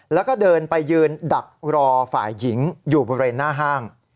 แล้วก็เดินไปยืนดักรอฝ่ายหญิงอยู่บริเวณหน้าห้าง